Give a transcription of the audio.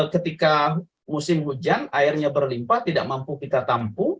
ketika musim hujan airnya berlimpah tidak mampu kita tampu